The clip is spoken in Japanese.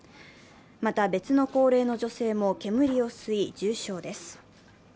また、別の高齢の女性も煙を吸い、重傷です。